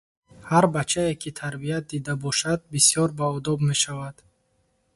Ҳар бачае, ки тарбият дида бошад, бисёр баодоб мешавад.